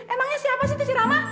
emangnya siapa sih itu si rama